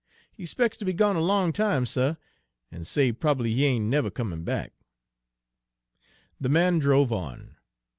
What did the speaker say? He 'spec's ter be gone a long time, suh, en say prob'ly he ain' neber comin' back." The man drove on.